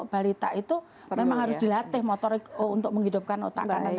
balita itu memang harus dilatih motorik untuk menghidupkan otak anak